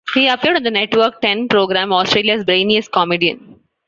He appeared on the Network Ten program "Australia's Brainiest Comedian".